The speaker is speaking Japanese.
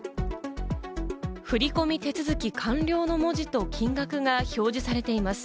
振込手続き完了の文字と金額が表示されています。